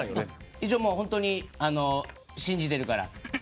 一応、本当に信じてるから。